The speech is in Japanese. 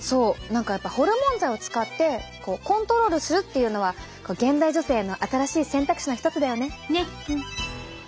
何かやっぱホルモン剤を使ってコントロールするっていうのは現代女性の新しい選択肢の一つだよね。ね！